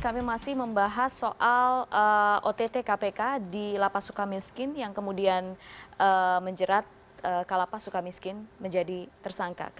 kami masih membahas soal ott kpk di lapas suka miskin yang kemudian menjerat kalapas suka miskin menjadi tersangka